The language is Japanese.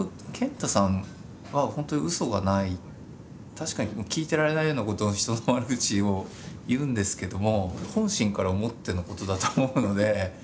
確かに聞いてられないようなこと人の悪口を言うんですけども本心から思ってのことだと思うので。